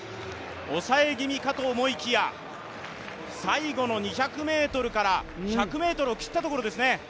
抑え気味かと思いきや、最後の２００ｍから１００ｍを切ったところですね。